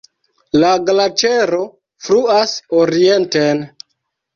La glaĉero fluas orienten.